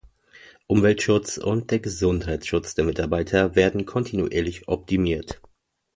Umweltschutz und der Gesundheitsschutz der Mitarbeiter werden kontinuierlich optimiert.